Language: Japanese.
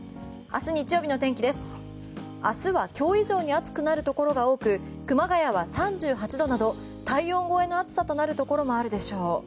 明日は今日以上に暑くなるところが多く熊谷は３８度など体温超えの暑さとなるところもあるでしょう。